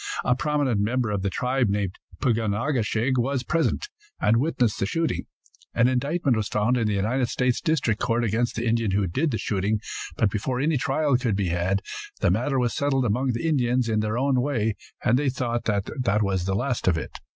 A prominent member of the tribe named Pug on a ke shig was present, and witnessed the shooting. An indictment was found in the United States district court against the Indian who did the shooting, but before any trial could be had the matter was settled among the Indians in their own way, and they thought that was the last of it.